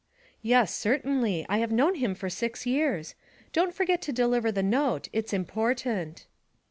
'Yes, certainly. I have known him for six years. Don't forget to deliver the note; it's important.'